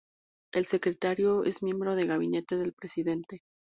El secretario es miembro del gabinete del presidente.